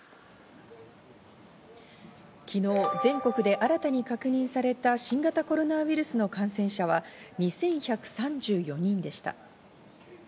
昨日、全国で新たに確認された新型コロナウイルスの感染者は２１３４人でした。